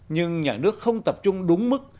nhưng nhà nước không tập trung đúng mức